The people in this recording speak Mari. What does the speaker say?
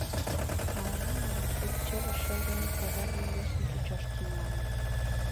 — Ала-мо, манеш, ик чыве шыл дене пагарлан йӧсын чучаш тӱҥалын.